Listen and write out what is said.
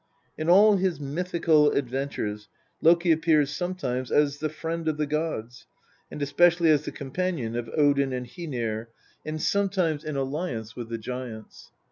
In all his mythical adventures Loki appears sometimes as the friend of the gods, and especially as the companion of Odin and Hcenir, and sometimes in alliance with the LXVIII THE POETIC EDDA. giants.